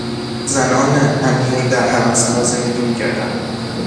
زنان امیر در حرمسرا زندگی میکردند.